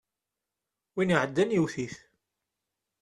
Win iɛeddan yewwet-it.